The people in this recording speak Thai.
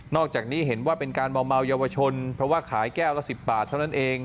อกจากนี้เห็นว่าเป็นการเมาเยาวชนเพราะว่าขายแก้วละ๑๐บาทเท่านั้นเอง